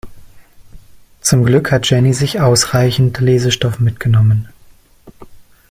Zum Glück hat Jenny sich ausreichend Lesestoff mitgenommen.